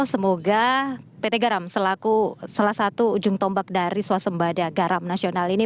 semoga pt garam selaku salah satu ujung tombak dari suasembada garam nasional ini